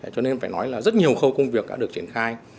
cho nên phải nói là rất nhiều khâu công việc đã được triển khai